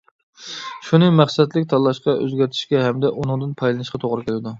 شۇنى مەقسەتلىك تاللاشقا، ئۆزگەرتىشكە، ھەمدە ئۇنىڭدىن پايدىلىنىشقا توغرا كېلىدۇ.